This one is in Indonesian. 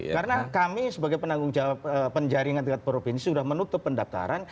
karena kami sebagai penanggung penjaringan tingkat provinsi sudah menutup pendaftaran